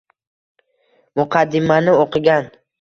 muqaddimani o‘qigan